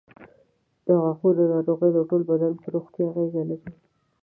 د غاښونو ناروغۍ د ټول بدن پر روغتیا اغېز لري.